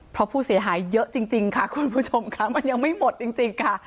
เพราะผู้เสียหายเยอะจริงค่ะคุณผู้ชมค่ะมันยังไม่หมดจริงค่ะ